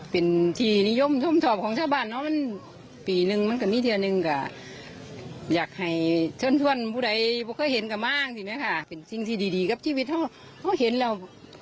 เป็นสิ่งที่ดีกับชีวิตเขาเห็นแล้ว